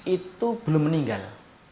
itu belum meninggal